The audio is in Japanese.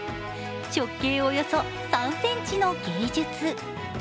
直径およそ３ｃｍの芸術。